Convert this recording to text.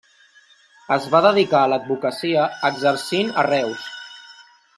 Es va dedicar a l'advocacia exercint a Reus.